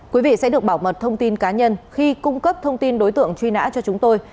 quý vị sẽ được bảo mật thông tin cá nhân khi cung cấp thông tin đối tượng truy nã cho chúng tôi